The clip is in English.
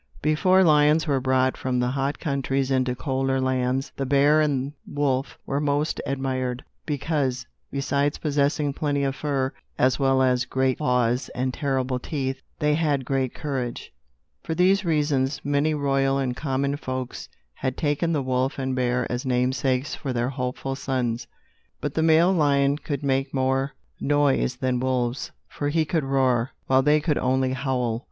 Before lions were brought from the hot countries into colder lands, the bear and wolf were most admired; because, besides possessing plenty of fur, as well as great claws and terrible teeth, they had great courage. For these reasons, many royal and common folks had taken the wolf and bear as namesakes for their hopeful sons. But the male lion could make more noise than wolves, for he could roar, while they could only howl.